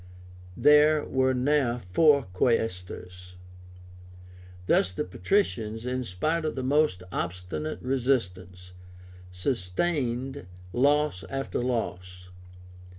There were now four Quaestors. Thus the patricians, in spite of the most obstinate resistance, sustained loss after loss.